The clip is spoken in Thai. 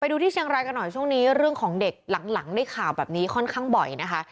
ดูที่เชียงรายกันหน่อยช่วงนี้เรื่องของเด็กหลังได้ข่าวแบบนี้ค่อนข้างบ่อยนะคะ